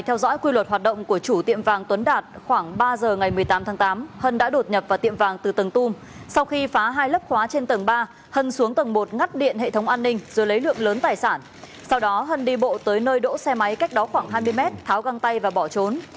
theo dõi quy luật hoạt động của chủ tiệm vàng tuấn đạt khoảng ba giờ ngày một mươi tám tháng tám hân đã đột nhập vào tiệm vàng từ tầng tung sau khi phá hai lớp khóa trên tầng ba hân xuống tầng một ngắt điện hệ thống an ninh rồi lấy lượng lớn tài sản sau đó hân đi bộ tới nơi đỗ xe máy cách đó khoảng hai mươi mét tháo găng tay và bỏ trốn